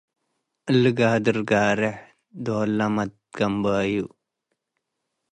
እሊ ጋድር ጋሬሕ - ዶልለ መትገንባዩ